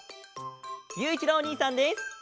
ゆういちろうおにいさんです！